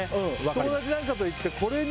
友達なんかと行って。